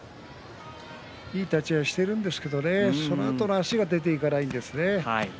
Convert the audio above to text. いい立ち合いをしているんですが、そのあとの足が出ていかないんです。